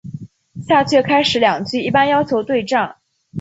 下阕开始两句一般要求对仗。